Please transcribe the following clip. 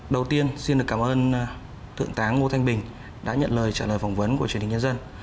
đầu tiên xin được cảm ơn thượng tá ngô thanh bình đã nhận lời trả lời phỏng vấn của truyền hình nhân dân